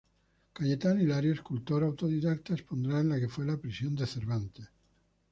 Cayetano Hilario, escultor autodidacta, expondrá en la que fue la prisión de Cervantes.